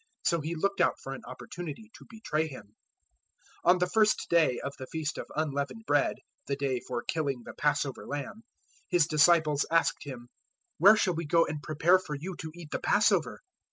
So he looked out for an opportunity to betray Him. 014:012 On the first day of the feast of Unleavened Bread the day for killing the Passover lamb His disciples asked Him, "Where shall we go and prepare for you to eat the Passover?"